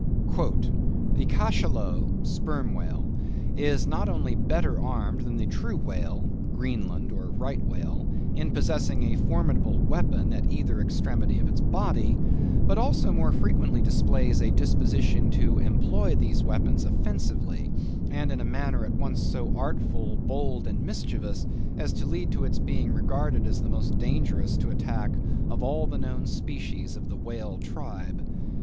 "The Cachalot" (Sperm Whale) "is not only better armed than the True Whale" (Greenland or Right Whale) "in possessing a formidable weapon at either extremity of its body, but also more frequently displays a disposition to employ these weapons offensively and in manner at once so artful, bold, and mischievous, as to lead to its being regarded as the most dangerous to attack of all the known species of the whale tribe."